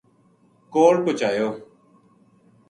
کول پوہچایو